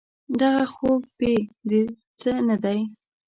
دغه خوب بې د څه نه دی.